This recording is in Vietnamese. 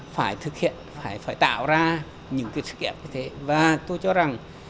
phải thực hiện phải tạo ra những cái sức ép như thế